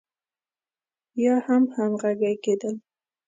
يا هم همغږي کېدل.